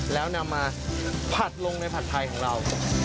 แล้วนำมาผัดลงในผัดไทยของเรา